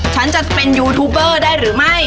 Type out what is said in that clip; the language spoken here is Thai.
ฉันจะเป็นยูทูบเบอร์ได้หรือไม่